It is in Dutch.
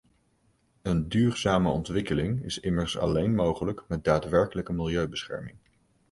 Een duurzame ontwikkeling is immers alleen mogelijk met daadwerkelijke milieubescherming.